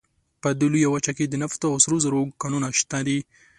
په دې لویه وچه کې د نفتو او سرو زرو کانونه شته دي.